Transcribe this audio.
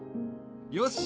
よし！